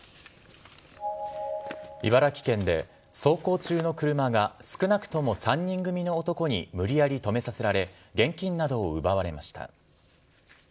茨城県で、走行中の車が少なくとも３人組の男に無理やり止めさせられ、現金などを奪われました。